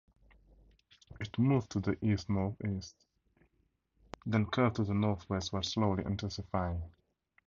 It moved to the east-northeast then curved to the northwest while slowly intensifying.